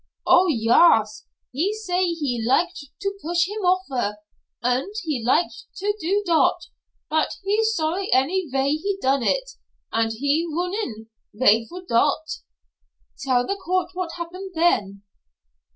"Oh, yas, he say he liket to push heem ofer, und he liket to do dot, but he sorry any vay he done it, und he runnin' vay for dot." "Tell the court what happened then."